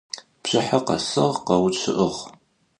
Bjjıher khesığ, kheuççı'ığ.